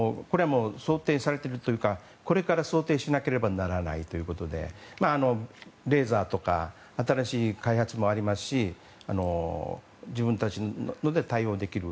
想定されているというかこれから想定しなければならないということでレーザーとか新しい開発もありますし自分たちで対応できる。